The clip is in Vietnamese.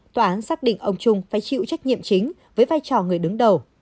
tòa án xác định ông trung phải chịu trách nhiệm chính với vai trò người đứng đầu